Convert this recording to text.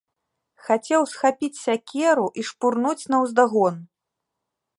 Хацеў схапіць сякеру і шпурнуць наўздагон.